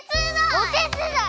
「おてつだい」！